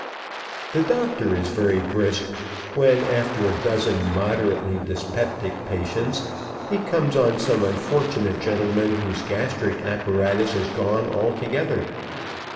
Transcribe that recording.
The doctor is very brisk when after a dozen moderately dyspeptic patients he comes on some unfortunate gentleman whose gastric apparatus is gone altogether.